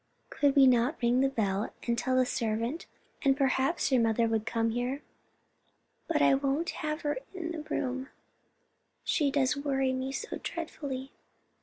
"Could we not ring the bell and tell the servant, and perhaps your mother would come here?" "But I won't have her in the room; she does worry me so dreadfully."